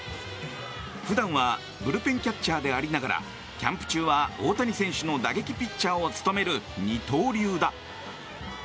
普段はブルペンキャッチャーでありながらキャンプ中は大谷選手の打撃ピッチャーを務める二刀流だ。